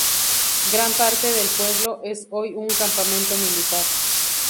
Gran parte del pueblo es hoy un campamento militar.